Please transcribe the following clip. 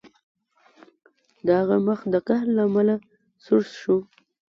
د هغه مخ د قهر له امله سور شو